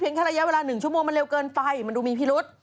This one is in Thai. แค่ระยะเวลา๑ชั่วโมงมันเร็วเกินไปมันดูมีพิรุษ